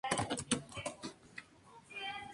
Como consecuencia, el programa carecía incluso de título.